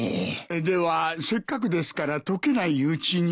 ではせっかくですから溶けないうちに。